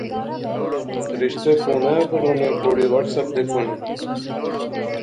رشتے فونے اُپر ہونے کڑی واٹس ایپ دیکھنونی